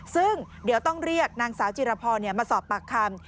ซึ่งเดี๋ยวต้องเรียกนางสาวจิรพรมาสอบปากคำ